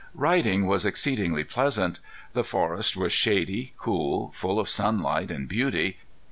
Riding was exceedingly pleasant. The forest was shady, cool, full of sunlight and beauty.